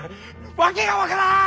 訳が分からん！